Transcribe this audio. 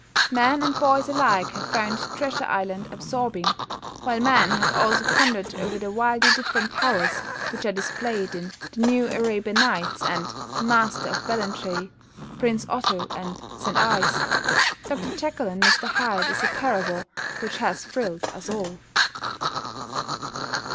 Men and boys alike have found "Treasure Island" absorbing, while men have also pondered over the widely different powers which are displayed in "The New Arabian Nights" and "The Master of Ballantrae," "Prince Otto," and "St Ives." "Dr Jekyll and Mr Hyde" is a parable which has thrilled us all.